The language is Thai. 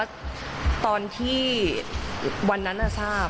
สั่งไปแล้วทราบ